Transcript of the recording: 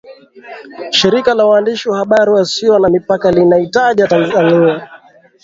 Shirika la waandishi wa habari wasio na mipaka linaitaja Tanzania